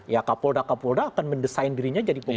ya kapolda kapolda akan mendesain dirinya jadi pemimpin